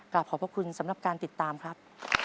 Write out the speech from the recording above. ขอบพระคุณสำหรับการติดตามครับ